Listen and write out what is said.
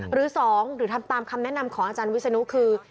หรือ๒หรือทำตามคำแนะนำของอาจารย์วิศนุคือ